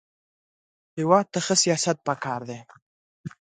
هېواد ته ښه سیاست پکار دی